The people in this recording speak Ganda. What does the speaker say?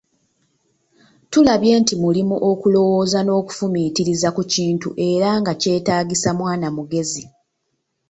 Tulabye nti mulimu okulwooza n’okufumiitiriza ku kintu era nga kyetaagisa mwana mugezi.